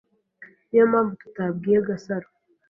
Niyo mpamvu tutabwiye Gasaro.